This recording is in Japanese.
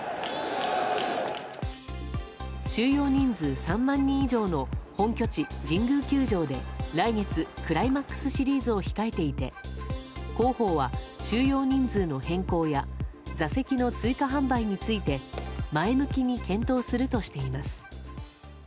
収容人数３万人以上の本拠地・神宮球場で来月、クライマックスシリーズを控えていて広報は収容人数の変更や座席の追加販売について前向きに検討するとしています。